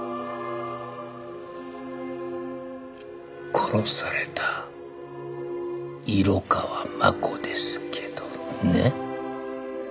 殺された色川真子ですけどね。